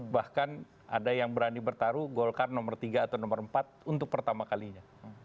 bahkan ada yang berani bertaruh golkar nomor tiga atau nomor empat untuk pertama kalinya